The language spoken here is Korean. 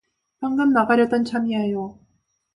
방금 나가려던 참이에요.